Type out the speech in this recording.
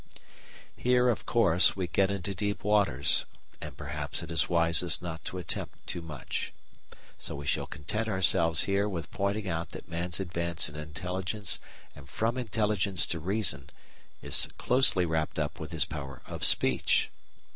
Here, of course, we get into deep waters, and perhaps it is wisest not to attempt too much. So we shall content ourselves here with pointing out that Man's advance in intelligence and from intelligence to reason is closely wrapped up with his power of speech.